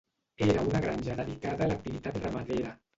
Era una granja dedicada a l'activitat ramadera.